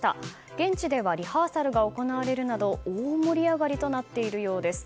現地ではリハーサルが行われるなど大盛り上がりとなっているようです。